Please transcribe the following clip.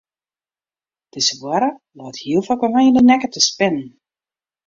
Dizze boarre leit hiel faak by my yn de nekke te spinnen.